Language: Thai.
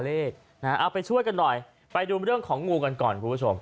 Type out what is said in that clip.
เอาไปช่วยกันหน่อยไปดูเรื่องของงูกันก่อน